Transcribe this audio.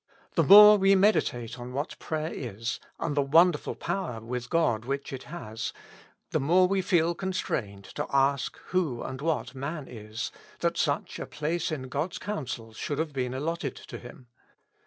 The more we meditate on what prayer is, and the wonderful power with God which it has, the more we feel constrained to ask who and what man is, that such a place in God's counsels should have been allotted to him.